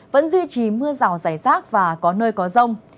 vẫn duy trì mưa rào rải rác và có nơi có rông